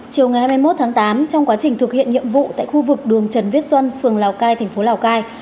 chiều ngày hai mươi một tháng tám trong quá trình thực hiện nhiệm vụ tại khu vực đường trần viết xuân phường lào cai thành phố lào cai